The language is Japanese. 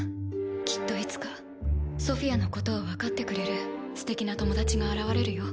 きっといつかソフィアのことを分かってくれるすてきな友達が現れるよ。